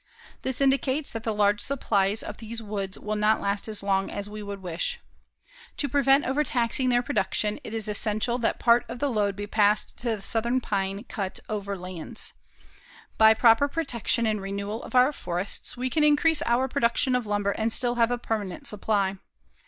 This indicates that the large supplies of these woods will not last as long as we would wish. To prevent overtaxing their production, it is essential that part of the load be passed to the southern pine cut over lands. By proper protection and renewal of our forests, we can increase our production of lumber and still have a permanent supply.